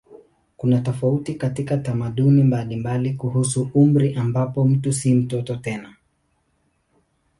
Kuna tofauti katika tamaduni mbalimbali kuhusu umri ambapo mtu si mtoto tena.